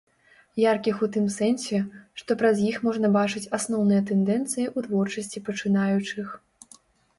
Яркіх у тым сэнсе, што праз іх можна бачыць асноўныя тэндэнцыі ў творчасці пачынаючых.